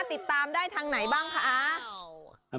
ติดตามได้ทางไหนบ้างคะ